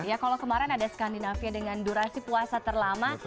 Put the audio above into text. ya kalau kemarin ada skandinavia dengan durasi puasa terlama